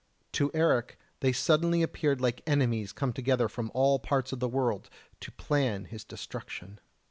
To Eric they suddenly appeared like enemies come together from all parts of the world to plan his destruction.